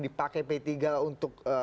dipakai p tiga untuk